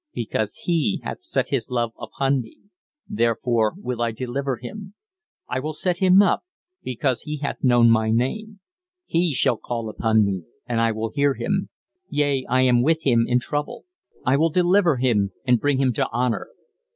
"Because He hath set His love upon me, therefore will I deliver him: I will set him up, because he hath known my name. "He shall call upon me, and I will hear him: yea, I am with him in trouble; I will deliver him and bring him to bonour.